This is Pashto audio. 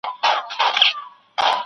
دلته ښخ د کلي ټول مړه انسانان دي